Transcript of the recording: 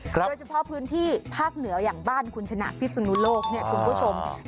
โดยเฉพาะพื้นที่ภาคเหนืออย่างบ้านคุณชนะพิศนุโลกเนี่ยคุณผู้ชม